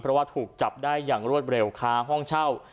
เพราะว่าถูกจับได้อย่างรวดเร็วค้าห้องเช่า